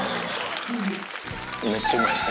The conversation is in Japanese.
めっちゃうまいです。